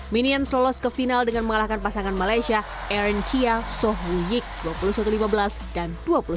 minions lolos ke final dengan mengalahkan pasangan malaysia aren chia sohu yik dua puluh satu lima belas dan dua puluh satu sembilan belas